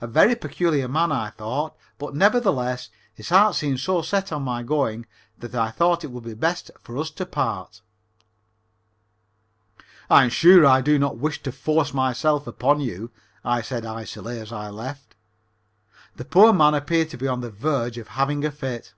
A very peculiar man, I thought, but, nevertheless, his heart seemed so set on my going that I thought it would be best for us to part. "I am sure I do not wish to force myself upon you," I said icily as I left. The poor man appeared to be on the verge of having a fit.